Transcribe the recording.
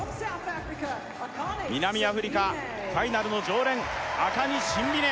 南アフリカファイナルの常連アカニ・シンビネ